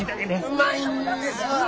うまいんですわ。